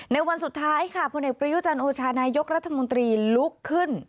ในวันสุดท้ายค่ะผู้เนกประยุจรรย์โอชารณายกรัฐมนตรีลุกขึ้น